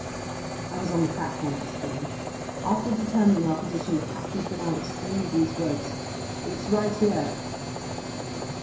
I was on the platform just then. After determining our position, the captain pronounced only these words: "It's right here!"